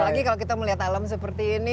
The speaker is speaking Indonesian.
apalagi kalau kita melihat alam seperti ini